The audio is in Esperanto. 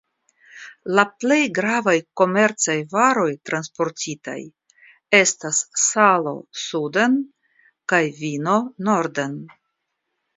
La plej gravaj komercaj varoj transportitaj estas salo suden kaj vino norden.